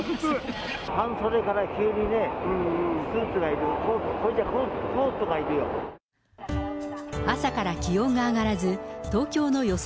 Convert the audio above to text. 半袖から急にね、朝から気温が上がらず、東京の予想